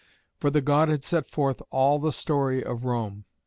For the god had set forth all the story of Rome.